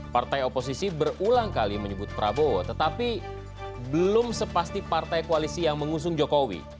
partai oposisi berulang kali menyebut prabowo tetapi belum sepasti partai koalisi yang mengusung jokowi